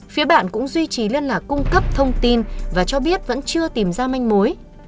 phía bạn cũng duy trì liên lạc cung cấp thông tin và cho biết vẫn chưa tìm ra manh mối